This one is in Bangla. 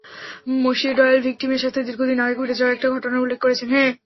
মসিয়ে ডয়েল ভিক্টিমের সাথে দীর্ঘদিন আগে ঘটে যাওয়া একটা ঘটনার উল্লেখ করেছেন।